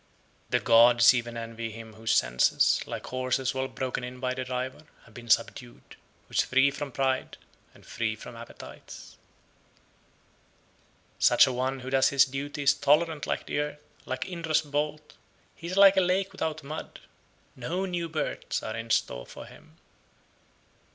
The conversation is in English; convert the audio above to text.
The gods even envy him whose senses, like horses well broken in by the driver, have been subdued, who is free from pride, and free from appetites. 95. Such a one who does his duty is tolerant like the earth, like Indra's bolt; he is like a lake without mud; no new births are in store for him.